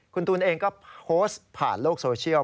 คุณตูนเองก็โพสต์ผ่านโลกโซเชียล